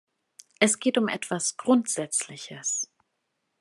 Es geht um etwas Grundsätzliches.